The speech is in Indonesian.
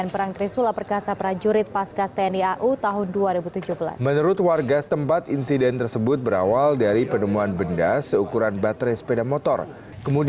pihak paskas tni au akan bertanggung jawab terkait korban yang terjadi